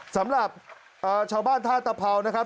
สำหรับชาวบ้านท่าตะเภานะครับ